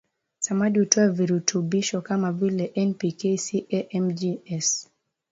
Samadi hutoa virutubisho kama vile N P K Ca Mg S